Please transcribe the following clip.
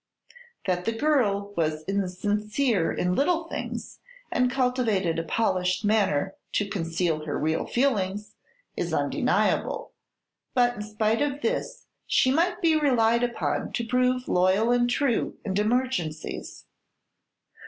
That the girl was insincere in little things and cultivated a polished manner to conceal her real feelings, is undeniable; but in spite of this she might be relied upon to prove loyal and true in emergencies.